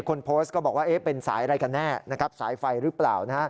คนโพสต์ก็บอกว่าเป็นสายอะไรกันแน่นะครับสายไฟหรือเปล่า